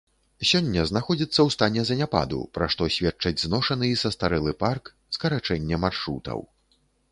Сёння знаходзіцца ў стане заняпаду, пра што сведчаць зношаны і састарэлы парк, скарачэнне маршрутаў.